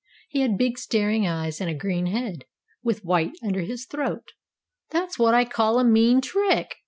He had big, staring eyes, and a green head, with white under his throat. "That's what I call a mean trick!"